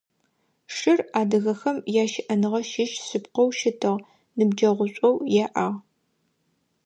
Шыр адыгэхэм ящыӏэныгъэ щыщ шъыпкъэу щытыгъ, ныбджэгъушӏоу яӏагъ.